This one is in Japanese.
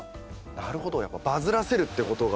なるほどやっぱバズらせるってことが。